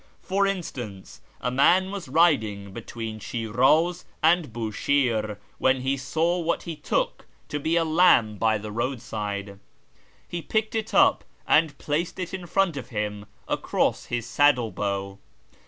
For instance, a man was riding between Shiraz and Bushire when he saw what he took to be a lamb by the roadside. He picked it up and placed it in front of him across his saddle bow.